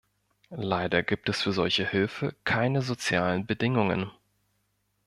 Leider gibt es für solche Hilfe keine sozialen Bedingungen.